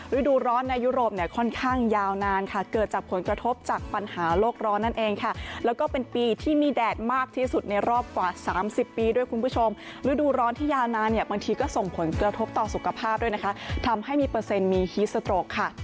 ฤดูร้อนที่ยานานเนี่ยบางทีก็ส่งผลเกือบโทษต่อสุขภาพด้วยนะคะทำให้มีเปอร์เซ็นต์มีฮีสโตรกค่ะ